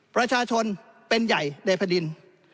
ประชาชนเป็นใหญ่ในแผ่นดิน